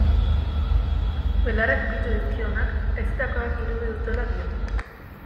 Belarriak ukitu dizkionak, haizetakoak irudi dutela dio.